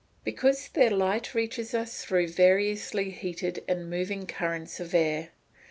_ Because their light reaches us through variously heated and moving currents of air.